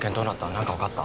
何か分かった？